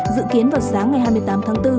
dự kiến vào sáng ngày hai mươi tám tháng bốn